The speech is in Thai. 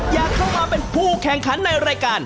อยากเข้ามาเป็นผู้แข่งขันในรายการ